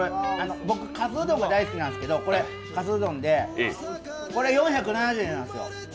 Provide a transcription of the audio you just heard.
かすうどんが大好きなんですけど、これ４７０円なんですよ。